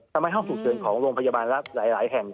ทำให้ห้องฉุกเฉินของโรงพยาบาลรัฐหลายแห่ง